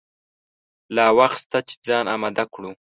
لا وخت شته چې ځان آمده کړو.